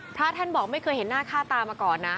พระท่านบอกไม่เคยเห็นหน้าค่าตามาก่อนนะ